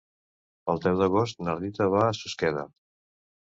El deu d'agost na Rita va a Susqueda.